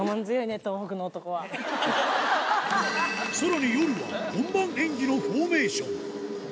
さらに夜は本番演技のフォーメーション